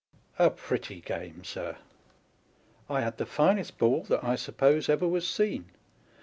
A pretty game, sir ! I had the finest ball that I suppose ever was seen.